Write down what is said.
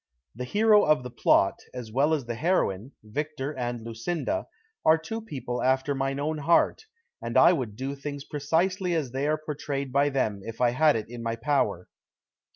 The hero of tlie plot, as well as the heroine, Victor and Lucinda, are two people after mine own heart, and I would do things precisely as they are portrayed by them if I had it in my power